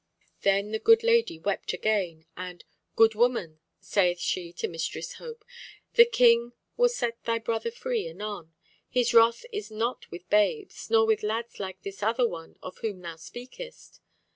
Then the good lady wept again, and 'Good woman,' saith she to Mistress Hope, 'the King will set thy brother free anon. His wrath is not with babes, nor with lads like this other of whom thou speakest.